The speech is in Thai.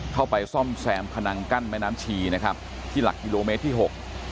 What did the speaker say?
เข้าไปซ่อมแซมพนังกั้นแม่น้ำชีนะครับที่หลักกิโลเมตรที่หก